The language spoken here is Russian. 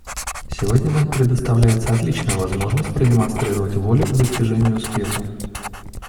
Сегодня нам предоставляется отличная возможность продемонстрировать волю к достижению успеха.